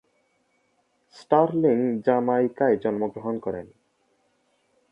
Sterling জ্যামাইকায় জন্মগ্রহণ করেন।